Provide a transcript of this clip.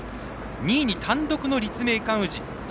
２位に単独の立命館宇治。